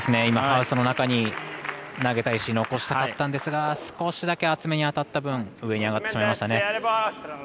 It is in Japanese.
今、ハウスの中に投げた石残したかったんですが少しだけ厚めに当たった分上に上がってしまいましたね。